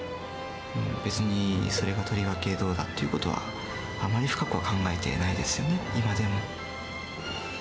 別にそれがとりわけ、どうだということはあまり深くは考えていないですよね、今でも。